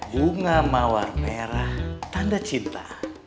bunga mawar merah tanda cinta